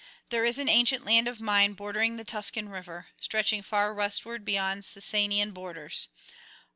There is an ancient land of mine bordering the Tuscan river, stretching far westward beyond the Sicanian borders.